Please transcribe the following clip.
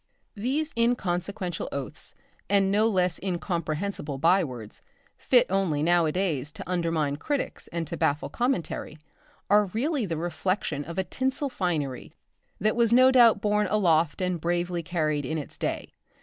These inconsequent oaths and no less incomprehensible bywords, fit only now a days to undetermine critics and to baffle commentary, are really the reflection of a tinsel finery that was no doubt borne aloft and bravely carried in its day.